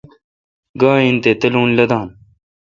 گا این تے تلون لدان۔